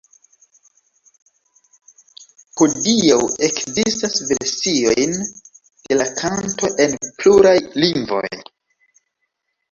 Hodiaŭ ekzistas versiojn de la kanto en pluraj lingvoj.